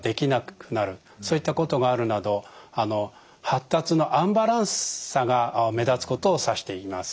そういったことがあるなど発達のアンバランスさが目立つことを指して言います。